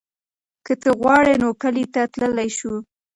که ته وغواړې نو کلي ته تللی شو.